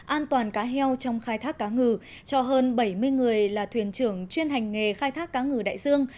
an toàn cá heo trong khai thác cá ngừ cho hơn bảy mươi người là thuyền trưởng chuyên hành nghề khai thác cá ngừ đại dương